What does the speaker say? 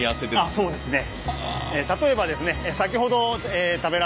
あっそうですね。